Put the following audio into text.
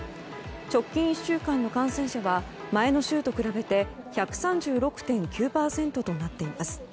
直近１週間の感染者は前の週と比べて１３６．９％となっています。